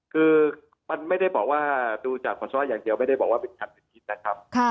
คือมันไม่ได้บอกว่าดูจากปัสสาวะอย่างเดียวไม่ได้บอกว่าเป็นชั้นเป็นพิษนะครับ